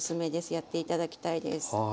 やって頂きたいです。